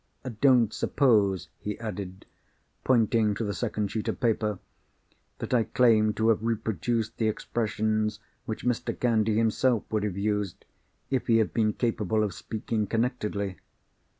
Don't suppose," he added, pointing to the second sheet of paper, "that I claim to have reproduced the expressions which Mr. Candy himself would have used if he had been capable of speaking connectedly.